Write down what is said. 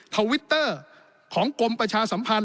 ทวิตเตอร์ของกรมประชาสัมพันธ